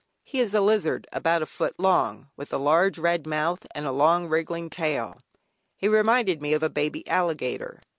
He is a lizard about a foot long, with a large red mouth, and a long wriggling tail; he reminded me of a baby alligator.